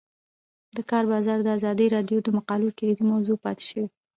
د کار بازار د ازادي راډیو د مقالو کلیدي موضوع پاتې شوی.